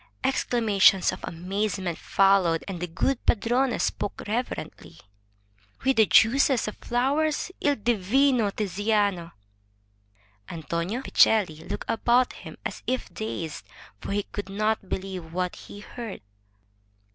Exclamations of amazement followed, and the good padrone 281 MY BOOK HOUSE Spoke reverently: "With the juices of flowers! II divinoTiziano!'* Antonio Vecelli looked about him as if dazed, for he could not believe what he heard.